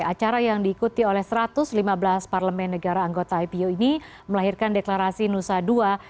acara yang diikuti oleh satu ratus lima belas parlemen negara anggota ipo ini melahirkan deklarasi nusa dua